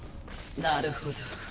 なるほど。